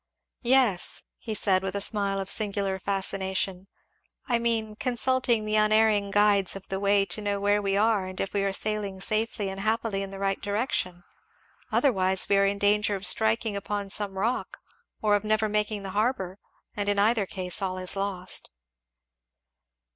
"Yes," he said with a smile of singular fascination, "I mean, consulting the unerring guides of the way to know where we are and if we are sailing safely and happily in the right direction otherwise we are in danger of striking upon some rock or of never making the harbour; and in either case, all is lost."